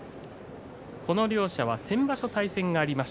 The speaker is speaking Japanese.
両者、先場所、対戦があります